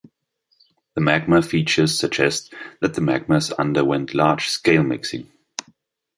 The magma features suggest that the magmas underwent large scale mixing.